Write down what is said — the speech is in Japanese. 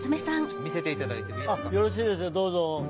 よろしいですよどうぞ。